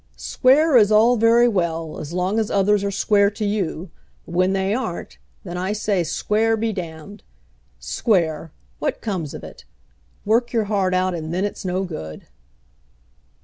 "Square is all very well, as long as others are square to you; but when they aren't, then I say square be d . Square! what comes of it? Work your heart out, and then it's no good."